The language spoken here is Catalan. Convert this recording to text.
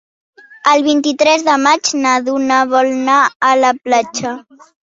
El vint-i-tres de maig na Duna vol anar a la platja.